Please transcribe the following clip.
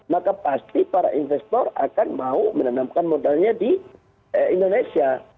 maka pasti para investor akan mau menanamkan modalnya di indonesia